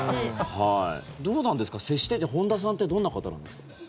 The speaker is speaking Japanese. どうなんですか接してて本田さんってどんな方ですか。